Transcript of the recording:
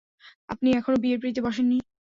আপনি এখনো বিয়ের পিড়িতে বসেন নি?